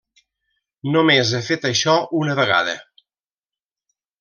Només he fet això una vegada.